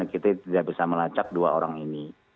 kita tidak bisa melacak dua orang ini